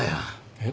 えっ？